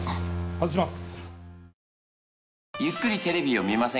外します。